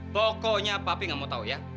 pokoknya papi gak mau tau ya